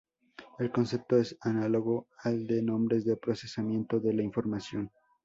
El concepto es análogo al de "nombres de procesamiento de la información".